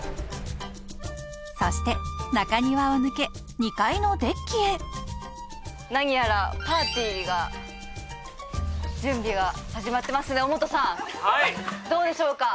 そして中庭を抜け２階のデッキへ何やらパーティーが準備が始まってますねどうでしょうか？